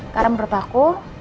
karena menurut aku